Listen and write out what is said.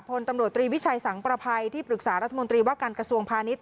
พลตำรวจตรีวิชัยสังประภัยที่ปรึกษารัฐมนตรีว่าการกระทรวงพาณิชย